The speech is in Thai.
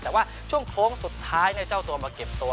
แต่ว่าช่วงโค้งสุดท้ายเจ้าตัวมาเก็บตัว